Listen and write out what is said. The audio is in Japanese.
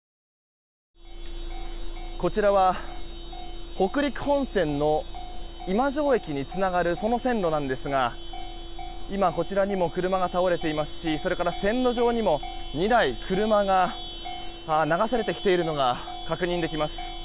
こちらは北陸本線の駅につながるその線路なんですが今、こちらにも車が倒れていますしそれから、線路上にも２台車が流されてきているのが確認できます。